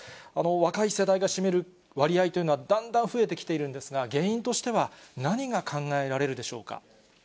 若い世代が占める割合というのは、だんだん増えてきているんですが、原因としては、何が考えられるでしょうか。